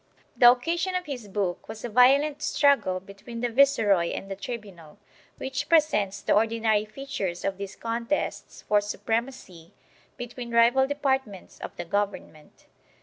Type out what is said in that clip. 4 The occasion of his book was a violent struggle between the viceroy and the tribunal, which presents the ordinary features of these contests for supremacy between rival depart ments of the government.